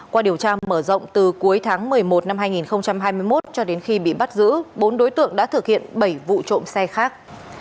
qua điều tra mở rộng từ cuối tháng một mươi một năm hai nghìn hai mươi một cho đến khi bị bắt giữ bốn đối tượng đã thực hiện bảy vụ trộm xe khác